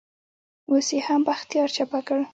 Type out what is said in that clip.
اوس يې هم بختيار چپه کړ.